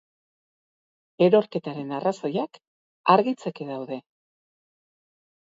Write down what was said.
Erorketaren arrazoiak argitzeke daude.